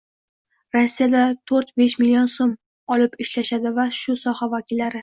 Rossiyada to'rt-besh million so‘m olib ishlashadi shu soha vakillari.